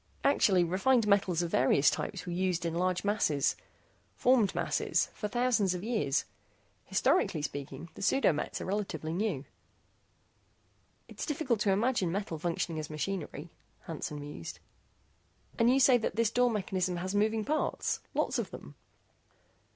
Actually, refined metal of various types was used in large masses, formed masses, for thousands of years. Historically speaking, the pseudo mets are relatively new." "It's difficult to imagine metal functioning as machinery," Hansen mused. "And you say that this door mechanism has moving parts, lots of them?"